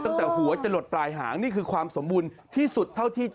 ตั้งแต่หัวจะหลดปลายหางนี่คือความสมบูรณ์ที่สุดเท่าที่จะ